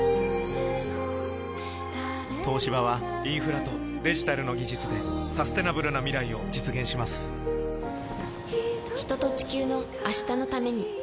東芝はインフラとデジタルの技術でサステナブルな未来を実現します人と、地球の、明日のために。